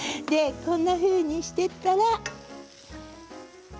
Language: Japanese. こんなふうにしていたら。